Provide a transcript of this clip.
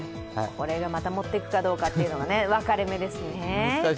これがまた持っていくかどうかというのが分かれ目ですね。